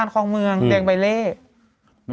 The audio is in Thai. ๒๔๙๙๐๐๐ของเมืองแดงใบเล